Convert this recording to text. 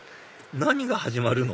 何が始まるの？